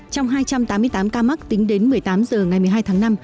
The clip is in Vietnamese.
trong hai trăm tám mươi tám ca mắc tính đến một mươi tám h ngày một mươi hai tháng năm